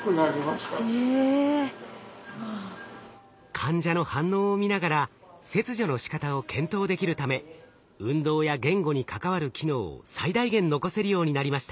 患者の反応を見ながら切除のしかたを検討できるため運動や言語に関わる機能を最大限残せるようになりました。